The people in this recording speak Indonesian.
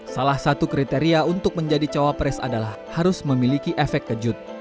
salah satu kriteria untuk menjadi cawapres adalah harus memiliki efek kejut